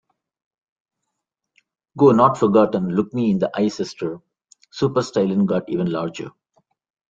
Go, Not Forgotten, Look Me In the Eye Sister, Superstylin got even larger.